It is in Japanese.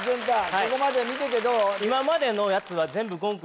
ここまで見ててどう？